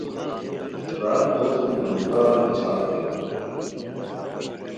برار تو سُم درونگار دوچھار ہوئے